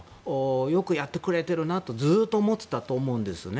よくやってくれてるなとずっと思ってたと思うんですね。